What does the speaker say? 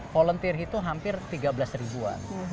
volunteer itu hampir tiga belas ribuan